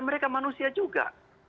mereka manusia juga